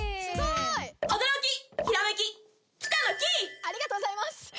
ありがとうございます。